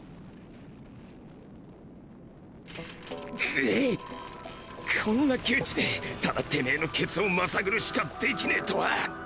クッこんな窮地でただてめェのケツをまさぐるしかできねぇとは。